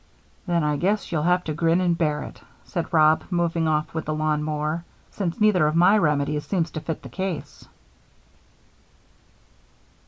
"Then I guess you'll have to grin and bear it," said Rob, moving off with the lawn mower, "since neither of my remedies seems to fit the case."